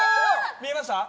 見えました？